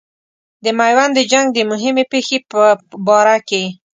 د میوند د جنګ د مهمې پیښې په باره کې.